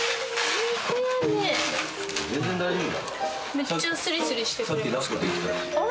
めっちゃスリスリしてくれる。